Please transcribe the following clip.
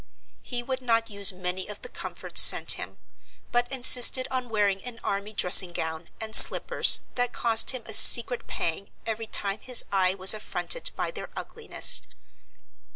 He would not use many of the comforts sent him, but insisted on wearing an army dressing gown, and slippers that cost him a secret pang every time his eye was affronted by their ugliness.